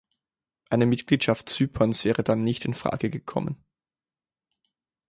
Eine Mitgliedschaft Zyperns wäre dann nicht in Frage gekommen.